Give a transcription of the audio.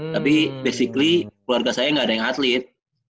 tapi basically keluarga saya nggak ada yang atlet